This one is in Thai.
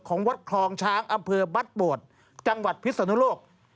ของวัดคลองช้างอำเภอวัดโบดจังหวัดพิศนุโลก